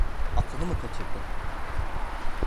Aklını mı kaçırdın?